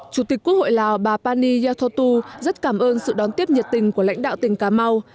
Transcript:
chủ tịch quốc hội lào bà pani yathotu rất cảm ơn sự đón tiếp nhiệt tình của lãnh đạo tỉnh cà mau